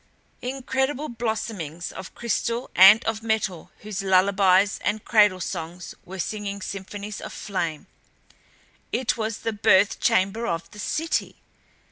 Incredible blossomings of crystal and of metal whose lullabies and cradle songs were singing symphonies of flame. It was the birth chamber of the City!